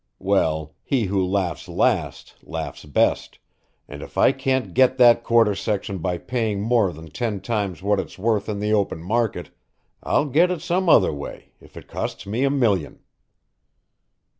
Well, he who laughs last laughs best, and if I can't get that quarter section by paying more than ten times what it's worth in the open market, I'll get it some other way, if it costs me a million."